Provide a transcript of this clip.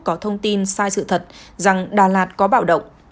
có thông tin sai sự thật rằng đà lạt có bạo động